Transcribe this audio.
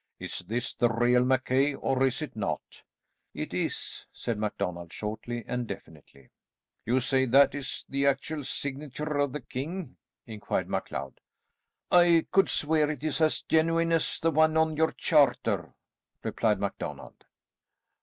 "Is this the real Mackay, or is it not?" "It is," said MacDonald shortly and definitely. "You say that is the actual signature of the king?" inquired MacLeod. "I could swear it is as genuine as the one on your charter," replied MacDonald.